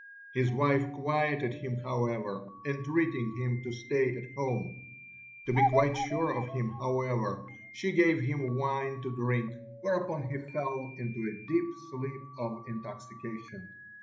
His wife quieted him, however, entreating him to stay at home. To be quite sure of him, however, she gave him wine to drink, whereupon he fell into a deep sleep of intoxication.